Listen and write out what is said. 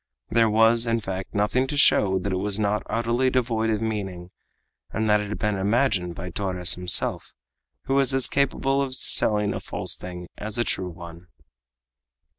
There was, in fact, nothing to show that it was not utterly devoid of meaning, and that it had been imagined by Torres himself, who was as capable of selling a false thing as a true one!